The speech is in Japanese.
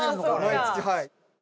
毎月はい。